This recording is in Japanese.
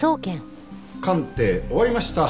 鑑定終わりました。